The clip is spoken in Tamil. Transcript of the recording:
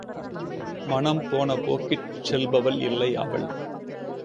மனம் போன போக்கிற் செல்பவள் இல்லை அவள்.